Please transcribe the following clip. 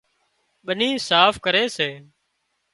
ٻني صاف ڪري سي